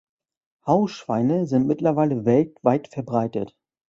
Hausschweine sind mittlerweile weltweit verbreitet.